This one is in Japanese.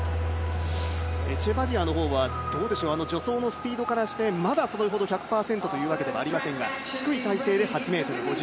エチェバリアのほうは助走のスピードからしてまだ１００％というわけではありませんが、低い体勢で８ｍ５０。